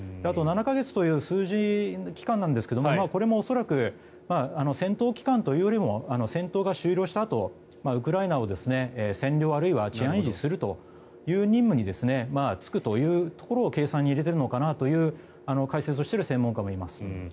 あと、７か月という数字、期間なんですがこれも恐らく戦闘期間というよりも戦闘が終了したあとウクライナを占領あるいは治安維持するという任務に就くというところを計算に入れているのかという解説をしている専門家もいます。